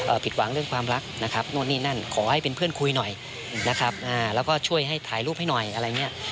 ผิดหวังเรื่องความรักนะครับนู่นนี่นั่นขอให้เป็นเพื่อนคุยหน่อยนะครับอ่าแล้วก็ช่วยให้ถ่ายรูปให้หน่อยอะไรอย่างเงี้ย